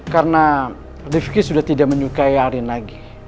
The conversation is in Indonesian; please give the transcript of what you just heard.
karena rifqi sudah tidak menyukai arin lagi